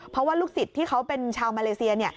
เพราะว่าลูกศิษย์ที่เขาเป็นชาวมาเลเซียเนี่ย